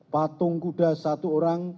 patung kuda satu orang